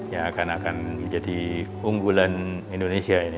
ya akan menjadi unggulan indonesia ini